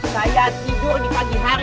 saya tidur di pagi hari